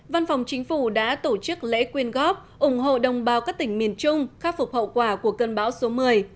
văn phòng chính phủ đã tổ chức lễ quyên góp ủng hộ đồng bào các tỉnh miền trung khắc phục hậu quả của cơn bão số một mươi